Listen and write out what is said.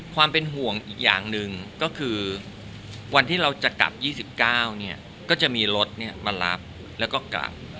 ความเป็นห่วงอีกอย่างหนึ่งก็คือวันที่เราจะกลับ๒๙ก็จะมีรถมารับแล้วก็กลับ